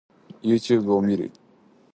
Youtube を見る